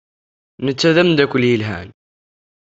Netta d ameddakel yelhan.